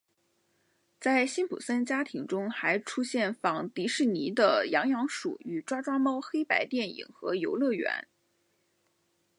在辛普森家庭中还出现仿迪士尼的痒痒鼠与抓抓猫黑白电影和游乐园。